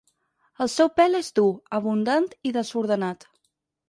El seu pèl és dur, abundant i desordenat.